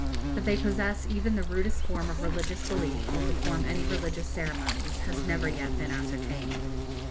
That they possess even the rudest form of religious belief, or perform any religious ceremonies, has never yet been ascertained.